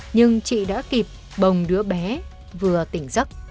nhưng chị đã kịp bồng đứa bé vừa tỉnh giấc